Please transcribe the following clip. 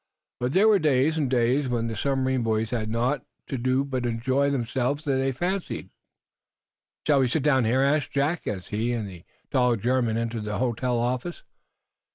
But there were days and days when the submarine boys had naught to do but enjoy themselves as their fancy dictated. "Shall we sit down here?" asked Jack, as he and the tall German entered the hotel office.